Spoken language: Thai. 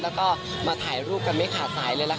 แล้วก็มาถ่ายรูปกันไม่ขาดสายเลยล่ะค่ะ